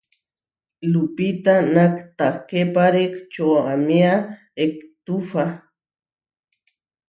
Lupita natahképare čoaméa ehtufa.